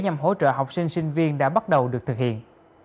nhằm hỗ trợ học sinh sinh viên đã bắt đầu được thực hiện